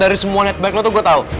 dari semua niat baik lo tuh gue tau